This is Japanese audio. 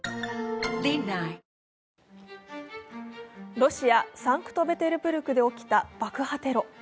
ロシア・サンクトペテルブルクで起きた爆破テロ。